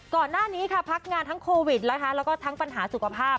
ก่อนหน้านี้ค่ะพักงานทั้งโควิดนะคะแล้วก็ทั้งปัญหาสุขภาพ